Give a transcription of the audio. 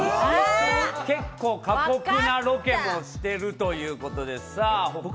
結構、過酷なロケもしているということですね。